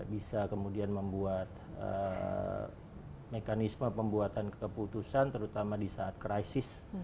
bisa kemudian membuat mekanisme pembuatan keputusan terutama di saat krisis